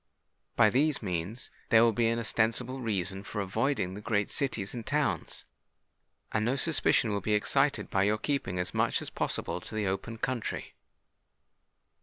By these means there will be an ostensible reason for avoiding the great cities and towns; and no suspicion will be excited by your keeping as much as possible to the open country.